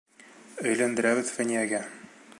Өйләндерәбеҙ Фәниәгә!